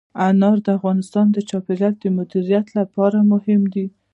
انار د افغانستان د چاپیریال د مدیریت لپاره مهم دي.